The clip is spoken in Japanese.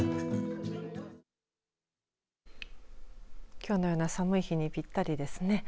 きょうのような寒い日にぴったりですね。